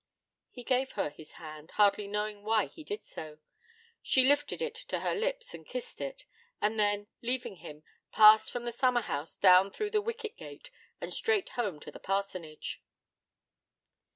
He gave her his hand, hardly knowing why he did so. She lifted it to her lips and kissed it, and then, leaving him, passed from the summer house down through the wicket gate, and straight home to the parsonage.